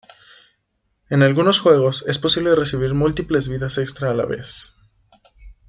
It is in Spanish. En algunos juegos, es posible recibir múltiples vidas extra a la vez.